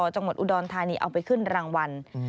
จังหวัดอุดรธานีเอาไปขึ้นรางวัล